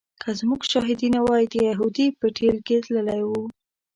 که زموږ شاهدي نه وای د یهودي په ټېل کې تللی و.